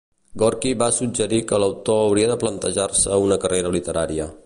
Gorky va suggerir que l'autor hauria de plantejar-se una carrera literària.